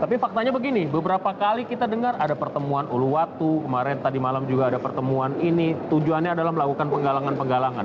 tapi faktanya begini beberapa kali kita dengar ada pertemuan uluwatu kemarin tadi malam juga ada pertemuan ini tujuannya adalah melakukan penggalangan penggalangan